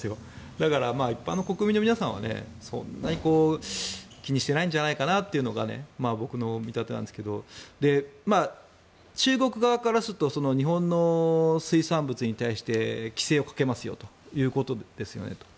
だから、一般の国民の皆さんはそんなに気にしてないんじゃないかなというのが僕の見立てなんですけど中国側からすると日本の水産物に対して規制をかけますよということですよねと。